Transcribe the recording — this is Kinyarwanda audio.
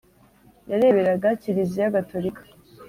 yareberaga kiliziya gatolika.